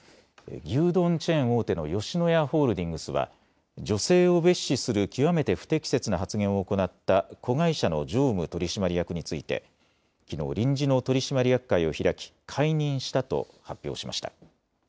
牛丼チェーン大手の吉野家ホールディングスは女性を蔑視する極めて不適切な発言を行った子会社の常務取締役についてきのう臨時の取締役会を開き解任したと発表しました。